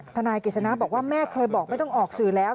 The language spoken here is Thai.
ทนายกฤษณะบอกว่าแม่เคยบอกไม่ต้องออกสื่อแล้ว